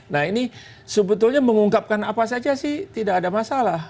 nah ini sebetulnya mengungkapkan apa saja sih tidak ada masalah